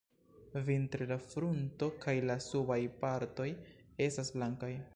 Vintre, la frunto kaj la subaj partoj estas blankaj.